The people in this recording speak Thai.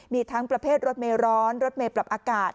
มีทั้งประเภทรถเมร้อนรถเมย์ปรับอากาศ